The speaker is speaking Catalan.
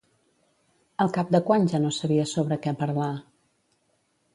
Al cap de quant ja no sabia sobre què parlar?